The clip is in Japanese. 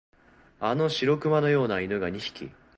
あの白熊のような犬が二匹、